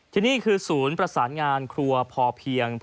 ที่นี่คือศูนย์ประสานงานครัวพอเพียง